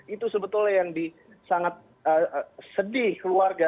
itu sebetulnya yang sangat sedih keluarga